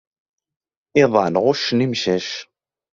iḍan ɣuccen imcac.